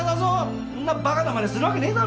そんな馬鹿なまねするわけねえだろ。